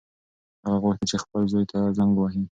هغه غوښتل چې خپل زوی ته زنګ ووهي.